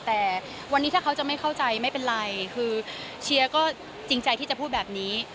แต่วันนี้ถ้าเขาจะไม่เข้าใจไม่เป็นไรคือเชียร์ก็จริงใจที่จะพูดแบบนี้